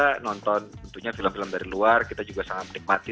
kita nonton tentunya film film dari luar kita juga sangat menikmati